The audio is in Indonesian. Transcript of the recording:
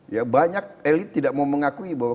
ya banyak elit tidak mau mengakui bahwa